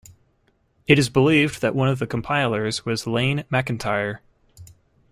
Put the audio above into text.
It is believed that one of the compilers was Iain McIntyre.